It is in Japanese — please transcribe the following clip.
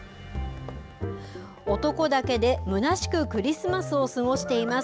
男だけでむなしくクリスマスを過ごしています。